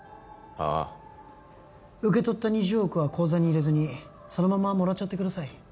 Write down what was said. アー受け取った２０億は口座に入れずにそのままもらっちゃってください